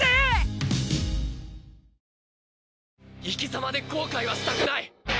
生き様で後悔はしたくない。